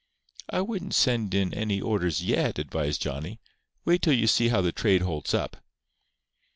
"I wouldn't send in any orders yet," advised Johnny. "Wait till you see how the trade holds up."